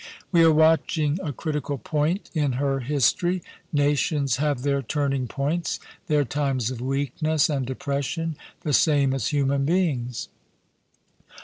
We are watching a critical point in her history. Nations have their turning points, their times of weakness and depression, the same as human beings.